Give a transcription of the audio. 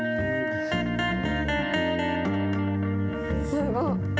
すごっ。